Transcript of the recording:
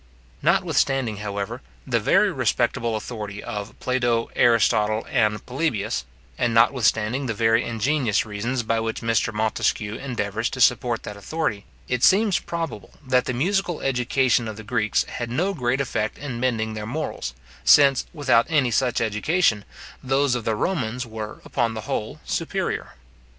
Notwithstanding, therefore, the very respectable authority of Plato, Aristotle, and Polybius, and notwithstanding the very ingenious reasons by which Mr. Montesquieu endeavours to support that authority, it seems probable that the musical education of the Greeks had no great effect in mending their morals, since, without any such education, those of the Romans were, upon the whole, superior.